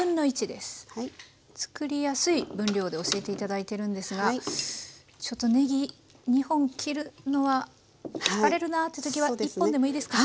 作りやすい分量で教えて頂いてるんですがちょっとねぎ２本切るのは疲れるなって時は１本でもいいですか？